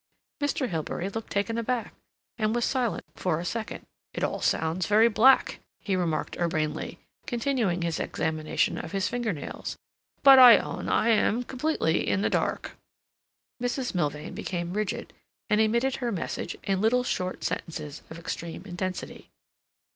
Mr. Hilbery looked taken aback, and was silent for a second. "It all sounds very black," he remarked urbanely, continuing his examination of his finger nails. "But I own I am completely in the dark." Mrs. Milvain became rigid, and emitted her message in little short sentences of extreme intensity.